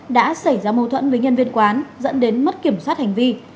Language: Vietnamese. đã xảy ra mâu thuẫn với nhân viên quán dẫn đến mất kiểm soát hành vi